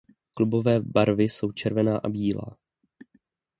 Klubové barvy jsou červená a bílá.